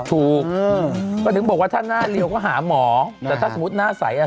ถูกอืมก็ถึงบอกว่าถ้าหน้าเรียวก็หาหมอแต่ถ้าสมมุติหน้าใสอ่ะ